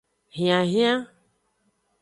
Hianhian.